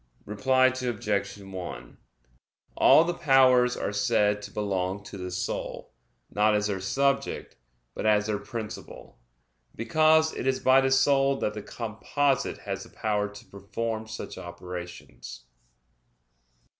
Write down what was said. Reply Obj. 1: All the powers are said to belong to the soul, not as their subject, but as their principle; because it is by the soul that the composite has the power to perform such operations.